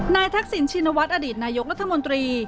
ทักษิณชินวัฒน์อดีตนายกรัฐมนตรี